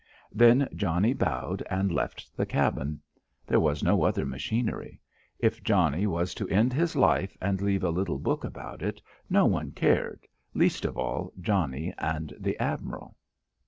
Then Johnnie bowed and left the cabin. There was no other machinery. If Johnnie was to end his life and leave a little book about it, no one cared least of all, Johnnie and the admiral.